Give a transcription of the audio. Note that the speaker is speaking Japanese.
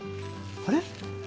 あれ？